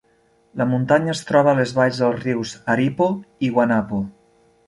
La muntanya es troba a les valls dels rius Aripo i Guanapo.